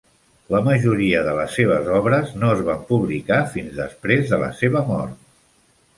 La majoria de les seves obres no es van publicar fins després de la seva mort.